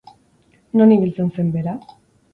Non ibiltzen zen bera?